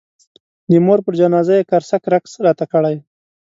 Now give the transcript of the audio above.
د مور پر جنازه یې قرصک رقص راته کړی.